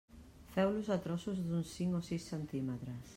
Feu-los a trossos d'uns cinc o sis centímetres.